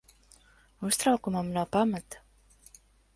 Uztraukumam nav pamata.